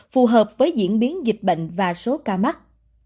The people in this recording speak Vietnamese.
phù hợp với diễn biến dịch bệnh và số ca mắc